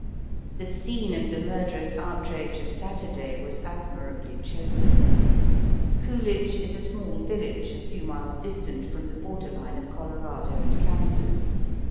The scene of the murderous outrage of Saturday was admirably chosen. Coolidge is a small village, a few miles distant from the border line of Colorado and Kansas.